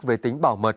về tính bảo mật